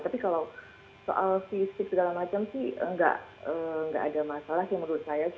tapi kalau soal fisik segala macam sih nggak ada masalah sih menurut saya